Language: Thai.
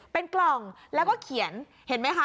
เป็นกล่องแล้วก็เขียนเห็นไหมคะ